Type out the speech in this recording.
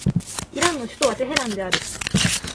イランの首都はテヘランである